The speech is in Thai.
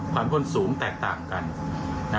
ความควรสูงแตกต่างกัน